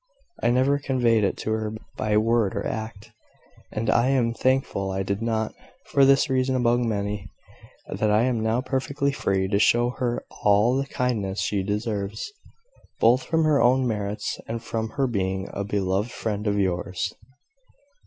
I never conveyed it to her by word or act; and I am thankful I did not for this reason among many that I am now perfectly free to show her all the kindness she deserves, both from her own merits, and from her being a beloved friend of yours."